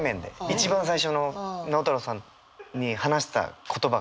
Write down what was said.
一番最初の直太朗さんに話した言葉がそれです。